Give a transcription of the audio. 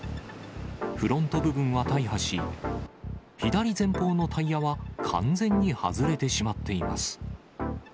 フロント部分は大破し、左前方のタイヤは完全に外れてしまっています。